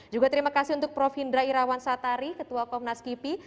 juga terima kasih untuk prof hindra irawan satari ketua komnas kipi